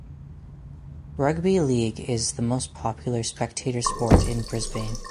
Rugby league is the most popular spectator sport in Brisbane.